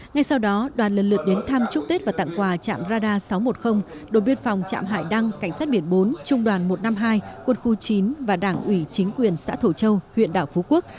ngay sau đó đoàn lần lượt đến thăm chúc tết và tặng quà trạm radar sáu trăm một mươi đồn biên phòng trạm hải đăng cảnh sát biển bốn trung đoàn một trăm năm mươi hai quân khu chín và đảng ủy chính quyền xã thổ châu huyện đảo phú quốc